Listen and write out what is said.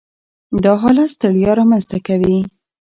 دا حالت ستړیا رامنځ ته کوي.